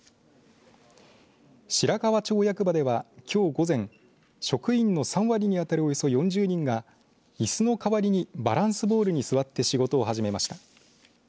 白川町役場ではきょう午前、職員の３割にあたるおよそ４０人が、いすの代わりにバランスボールに座って仕事を始めました。